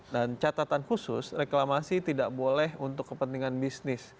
dan catatan khusus reklamasi tidak boleh untuk kepentingan bisnis